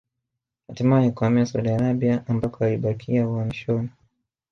Hatimae kuhamia Saudi Arabia ambako alibakia uhamishoni